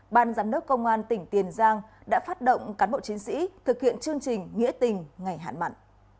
ban giám đốc công an tỉnh tiền giang đã phát động cán bộ chiến sĩ thực hiện chương trình nghĩa tình ngày hạn mặn